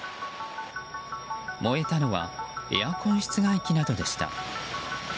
燃えたのはエアコン室外機などでした。